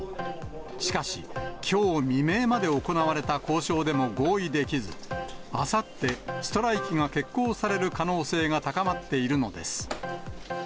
しかし、きょう未明まで行われた交渉でも合意できず、あさって、ストライキが決行される可能性が高まっているのです。